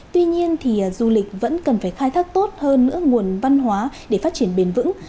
tuy nhiên thì du lịch vẫn cần phải khai thác tốt hơn nữa nguồn văn hóa để phát triển bền vững